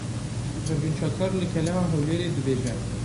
Pervîn Çakar li Keleha Hewlêrê dibêje.